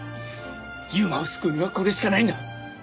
優馬を救うにはこれしかないんだ。